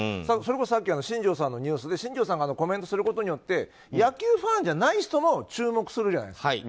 それこそさっき新庄さんのニュースで新庄さんがコメントすることによって野球ファンじゃない人も注目するじゃないですか。